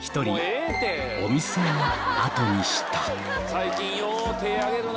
最近よう手上げるな。